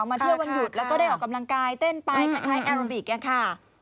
มาเที่ยววันหยุดแล้วก็ได้ออกกำลังกายเต้นไปคล้ายแอโรบิกค่ะ